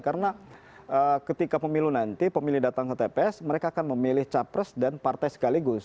karena ketika pemilu nanti pemilih datang ke tps mereka akan memilih capres dan partai sekaligus